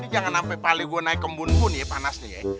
jangan sampai pali gue naik kembun bun ya panas nih